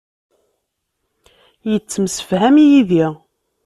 Yettemsefham yid-i.